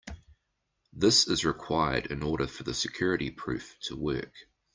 This is required in order for the security proof to work.